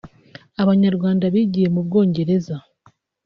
Abanyarwanda bigiye mu Bwongereza